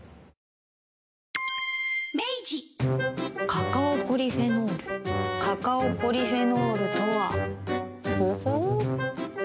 カカオポリフェノールカカオポリフェノールとはほほう。